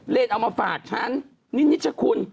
เรนเอามาฝากฉันนี่นิจคุณ